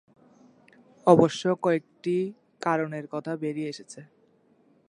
অবশ্য কয়েকটি কারণের কথা বেরিয়ে এসেছে।